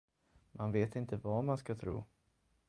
Man vet inte vad man ska tro.